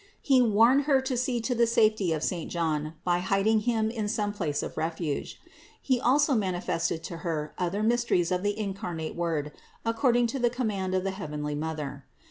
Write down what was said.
He warned her to see to the safety of saint John by hiding him in some place of refuge. He also manifested to her other mysteries of the incarnate Word according to the com mand of the heavenly Mother.